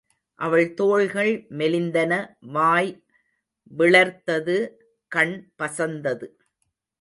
அவள் தோள்கள் மெலிந்தன வாய் விளர்த்தது கண் பசந்தது.